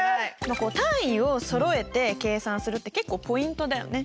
単位をそろえて計算するって結構ポイントだよね。